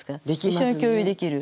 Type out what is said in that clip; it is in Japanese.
一緒に共有できる。ね。